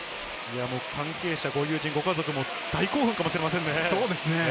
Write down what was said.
関係者、ご友人、ご家族も大興奮かもしれませんね。